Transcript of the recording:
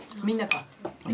みんなか。